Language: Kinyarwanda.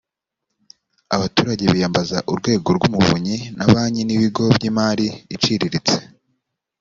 abaturage biyambaza urwego rw’umuvunyi na banki n’ibigo by’imari iciriritse